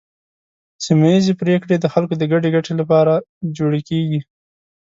سیمه ایزې پریکړې د خلکو د ګډې ګټې لپاره جوړې کیږي.